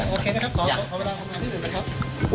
โอเคนะครับขอเวลาทำงานที่อื่นนะครับ